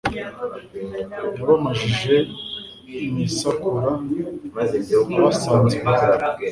yabamajije imisakura abasanze iwabo;